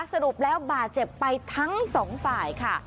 สรุปแล้วบาดเจ็บไปทั้งสองฝ่ายค่ะ